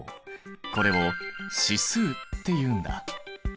これを指数っていうんだ。